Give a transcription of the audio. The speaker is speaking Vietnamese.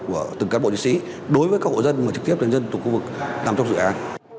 của từng cán bộ diễn sĩ đối với các hộ dân mà trực tiếp đến dân thuộc khu vực nằm trong dự án